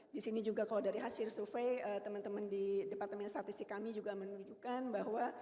di sini juga kalau dari hasil survei teman teman di departemen statistik kami juga menunjukkan bahwa